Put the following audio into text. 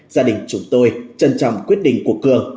gia đình chúng tôi trân trọng quyết định của cường